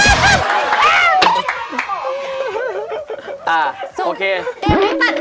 เกมไม่ตัดโลกไปเลย